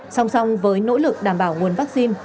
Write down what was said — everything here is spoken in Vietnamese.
sông sông với nỗ lực đảm bảo nguồn vaccine